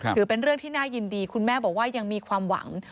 ถือเป็นเรื่องที่น่ายินดีคุณแม่บอกว่ายังมีความหวัง